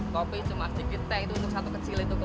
kopi cuma sedikit teh itu satu kecil itu untuk sebelas orang